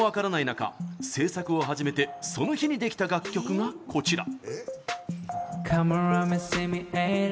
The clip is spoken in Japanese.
中制作を始めてその日にできた楽曲が、こちら。